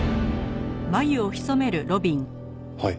はい。